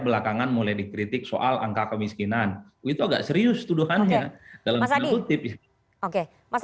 belakangan mulai dikritik soal angka kemiskinan itu agak serius tuduhannya dalam tanda kutip oke mas